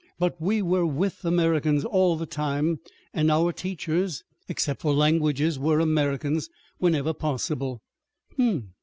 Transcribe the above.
But we were with Americans all the time, and our teachers, except for languages, were Americans, whenever possible."